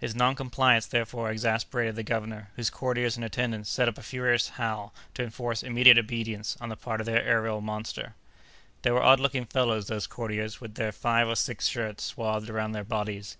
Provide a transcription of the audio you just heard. His noncompliance, therefore, exasperated the governor, whose courtiers and attendants set up a furious howl to enforce immediate obedience on the part of the aërial monster. They were odd looking fellows those courtiers, with their five or six shirts swathed around their bodies!